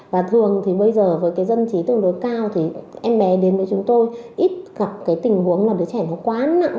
và thường thì bây giờ với cái dân trí tương đối cao thì em bé đến với chúng tôi ít gặp cái tình huống là đứa trẻ nó quá nặng